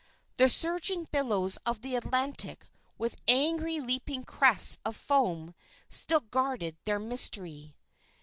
The surging billows of the Atlantic with angry leaping crests of foam, still guarded their mystery.